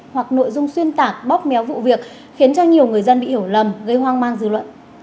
hoặc nội dung xuyên tạc bóp méo vụ việc khiến cho nhiều người dân bị hiểu lầm gây hoang mang dư luận